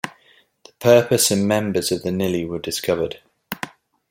The purpose and members of the Nili were discovered.